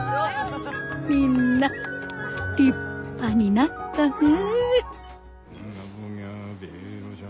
みんな立派になったねえ。